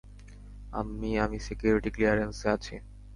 আম্মি, আমি সিকিউরিটি ক্লিয়ারেন্সে আছি।